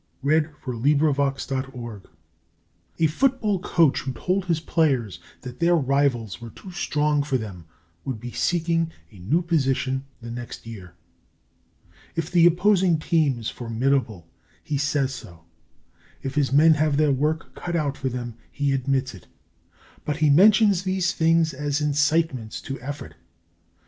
Miriam Teichner. HOLD FAST A football coach who told his players that their rivals were too strong for them would be seeking a new position the next year. If the opposing team is formidable, he says so; if his men have their work cut out for them, he admits it; but he mentions these things as incitements to effort.